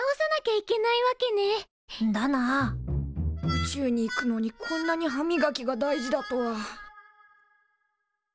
宇宙に行くのにこんなに歯みがきが大事だとは。